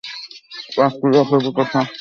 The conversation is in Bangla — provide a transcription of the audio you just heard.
পাট, তুলা, পেঁপে, কাঁচা মরিচ, পেঁয়াজ ও বেগুন।